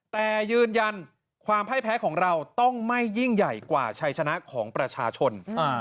แต่ยืนยันความพ่ายแพ้ของเราต้องไม่ยิ่งใหญ่กว่าชัยชนะของประชาชน